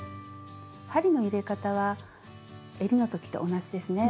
針の入れ方はえりの時と同じですね。